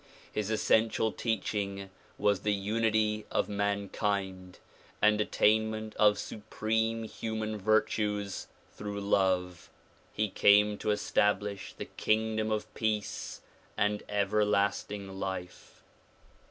His essential teaching was the unity of mankind and attain ment of supreme human virtues through love. He came to establish the kingdom of peace and everlasting life.